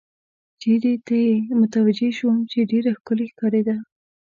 چېرې ته یې متوجه شوم، چې ډېره ښکلې ښکارېده.